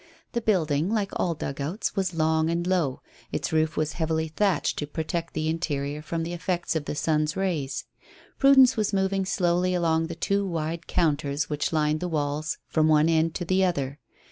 The building, like all dugouts, was long and low; its roof was heavily thatched to protect the interior from the effects of the sun's rays. Prudence was moving slowly along the two wide counters which lined the walls from one end to the other.